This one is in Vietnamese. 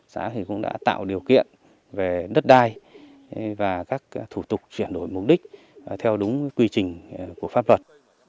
xã cũng đã tạo điều kiện về đất đai và các thủ tục chuyển đổi mục đích theo đúng quy trình của pháp luật